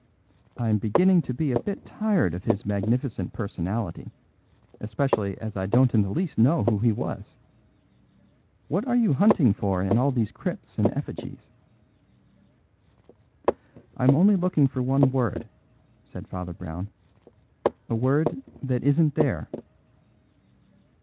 I am beginning to be a bit tired of his magnificent personality, especially as I don't in the least know who he was. What are you hunting for in all these crypts and effigies?" "I am only looking for one word," said Father Brown. "A word that isn't there."